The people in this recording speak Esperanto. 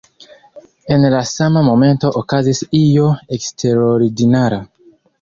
En la sama momento okazis io eksterordinara.